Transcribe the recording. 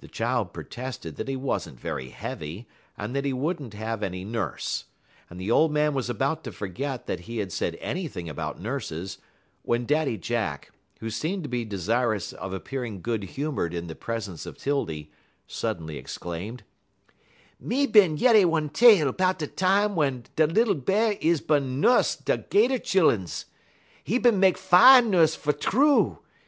The child protested that he was n't very heavy, and that he would n't have any nurse, and the old man was about to forget that he had said anything about nurses, when Daddy Jack, who seemed to be desirous of appearing good humored in the presence of 'Tildy, suddenly exclaimed: "Me bin yeddy one tale 'bout da tam w'en da lil Bear is bin nuss da 'Gator chilluns. 'E bin mek fine nuss fer true.